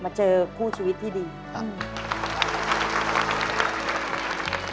เจอคู่ชีวิตที่ดีครับ